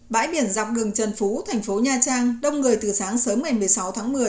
bãi biển dọc đường trần phú thành phố nha trang đông người từ sáng sớm ngày một mươi sáu tháng một mươi